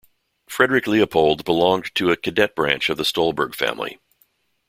Friedrich Leopold belonged to a cadet branch of the Stolberg family.